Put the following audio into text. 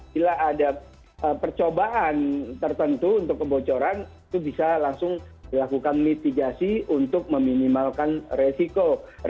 bila ada percobaan tertentu untuk kebocoran itu bisa langsung dilakukan mitigasi untuk meminimalkan resiko